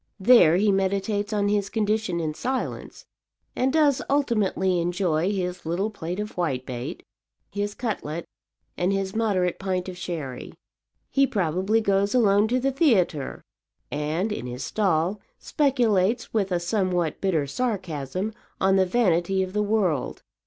There he meditates on his condition in silence, and does ultimately enjoy his little plate of whitebait, his cutlet and his moderate pint of sherry. He probably goes alone to the theatre, and, in his stall, speculates with a somewhat bitter sarcasm on the vanity of the world.